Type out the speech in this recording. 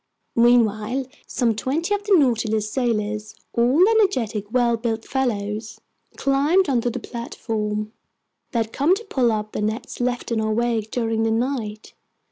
Meanwhile some twenty of the Nautilus's sailors—all energetic, well built fellows—climbed onto the platform. They had come to pull up the nets left in our wake during the night.